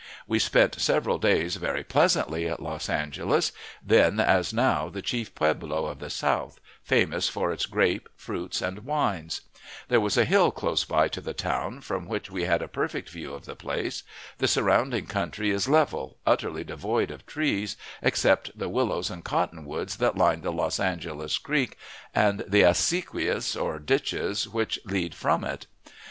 We spent several days very pleasantly at Los Angeles, then, as now, the chief pueblo of the south, famous for its grapes, fruits, and wines. There was a hill close to the town, from which we had a perfect view of the place. The surrounding country is level, utterly devoid of trees, except the willows and cotton woods that line the Los Angeles Creek and the acequias, or ditches, which lead from it.